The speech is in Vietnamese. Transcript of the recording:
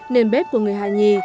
nên bếp của người hà nghì